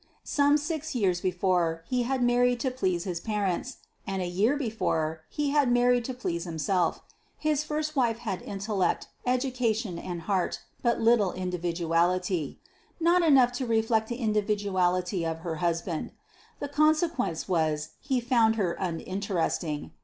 Some six years before, he had married to please his parents; and a year before, he had married to please himself. His first wife had intellect, education, and heart, but little individuality not enough to reflect the individuality of her husband. The consequence was, he found her uninteresting.